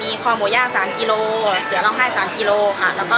มีคอหมูย่าง๓กิโลเสือร้องไห้๓กิโลค่ะ